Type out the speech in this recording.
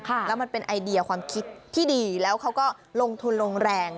แล้วมันเป็นไอเดียความคิดที่ดีแล้วเขาก็ลงทุนลงแรง